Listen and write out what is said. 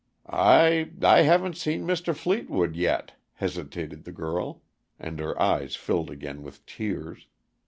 "I I haven't seen Mr. Fleetwood yet," hesitated the girl, and her eyes filled again with tears.